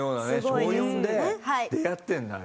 小４で出会ってるんだね。